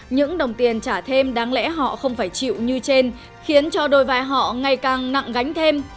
những đồng tiền trả thêm đáng lẽ họ không phải chịu như trên khiến cho đôi vai họ ngày càng nặng gánh thêm